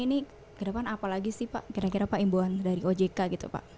kira kira apa lagi sih pak imbauan dari ojk gitu pak